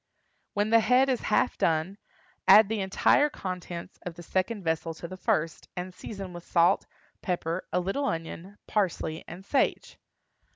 When the head is half done, add the entire contents of the second vessel to the first, and season with salt, pepper, a little onion, parsley, and sage.